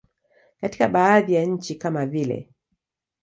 Katika baadhi ya nchi kama vile.